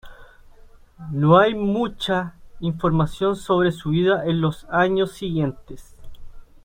No hay mucha información sobre su vida en los años siguientes.